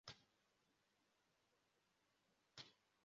Abantu barimo gutegura ibiryo byo gutanga kumasahani kumeza yimbaho